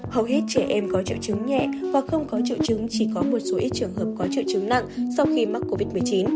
hầu hết trẻ em có triệu chứng nhẹ và không có triệu chứng chỉ có một số ít trường hợp có triệu chứng nặng sau khi mắc covid một mươi chín